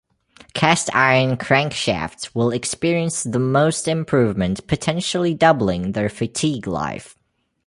Cast iron crankshafts will experience the most improvement potentially doubling their fatigue life.